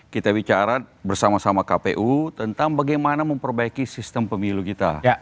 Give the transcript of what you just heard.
kita bicara bersama sama kpu tentang bagaimana memperbaiki sistem pemilu kita